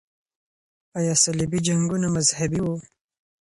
آیا صلیبي جنګونه مذهبي وو؟